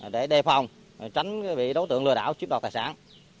để đề phòng tránh bị đối tượng lừa đảo chiếm đoạt tài sản